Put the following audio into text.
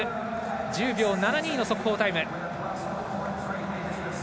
１０秒７２の速報タイム。